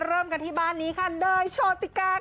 เริ่มกันที่บ้านนี้ค่ะเดยโชติกาค่ะ